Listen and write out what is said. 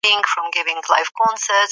دوی له ماتي سره مخامخ کېږي.